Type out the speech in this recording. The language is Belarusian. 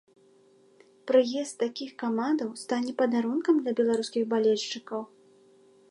Прыезд такіх камандаў стане падарункам для беларускіх балельшчыкаў.